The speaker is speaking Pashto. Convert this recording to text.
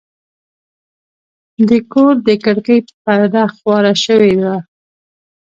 د کور د کړکۍ پرده خواره شوې وه.